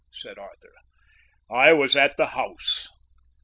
said Arthur. "I was at the House."